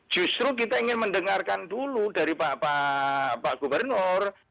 justru kita ingin mendengarkan dulu dari pak gubernur